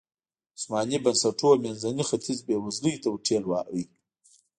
عثماني بنسټونو منځنی ختیځ بېوزلۍ ته ورټېل واهه.